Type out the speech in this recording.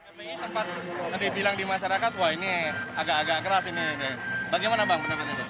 fpi sempat nanti bilang di masyarakat wah ini agak agak keras ini bagaimana bang